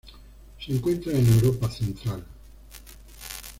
Se encuentra en Europa Central.